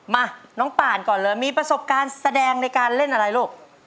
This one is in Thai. มาน้องป่านก่อนเลยมีประสบการณ์แสดงในการเล่นอะไรลูก